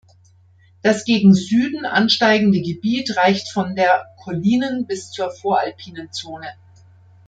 Das gegen Süden ansteigende Gebiet reicht von der kollinen bis zur voralpinen Zone.